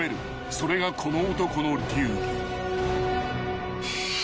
［それがこの男の流儀］